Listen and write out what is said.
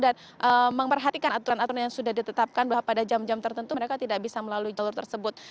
dan memperhatikan aturan aturan yang sudah ditetapkan bahwa pada jam jam tertentu mereka tidak bisa melalui jalur tersebut